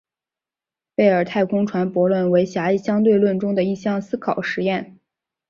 贝尔太空船悖论为狭义相对论中的一项思考实验。